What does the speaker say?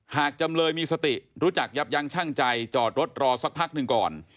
จำเลยมีสติรู้จักยับยั้งชั่งใจจอดรถรอสักพักหนึ่งก่อน